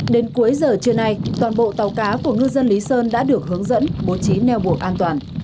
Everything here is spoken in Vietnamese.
đến cuối giờ trưa nay toàn bộ tàu cá của ngư dân lý sơn đã được hướng dẫn bố trí neo mùa an toàn